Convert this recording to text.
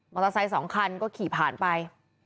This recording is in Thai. มอเตอร์ไซส์สองคันก็ขี่ผ่านไป